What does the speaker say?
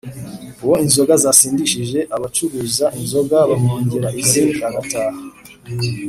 uwo inzoga zasindishije abacuruza inzoga bamwongera izindi agataha